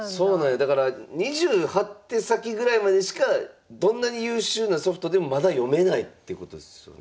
だから２８手先ぐらいまでしかどんなに優秀なソフトでもまだ読めないってことですよね？